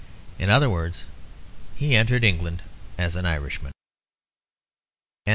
In other words, he entered England as an Irishman.